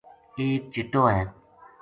ایک چِٹو ہے